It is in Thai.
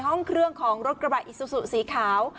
ห้องเครื่องของรถกระบะอิซูซูสีขาว